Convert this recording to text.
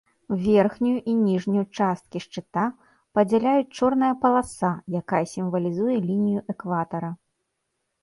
Верхнюю і ніжнюю часткі шчыта падзяляюць чорная паласа, якая сімвалізуе лінію экватара.